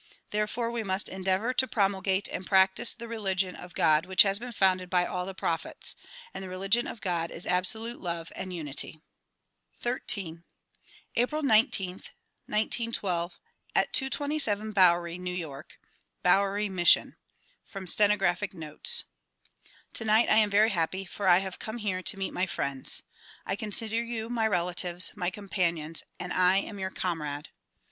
Therefore we must endeavor to promulgate and practice the religion of God which has been founded by all the prophets. And the religion of God is absolute love and unity. XIII April 19, 1912, at 227 Bowery, New York. Bowery Mission. From Stenographic Notes TONIGHT I am very happy for I have come here to meet my friends. I consider you my relatives, my companions; and I am your comrade.